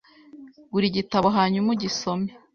Gura igitabo hanyuma ugisome .